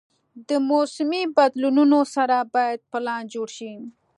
د موسمي بدلونونو سره باید پلان جوړ شي.